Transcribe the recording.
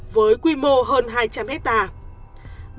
với quy mô hơn hai trăm linh hectare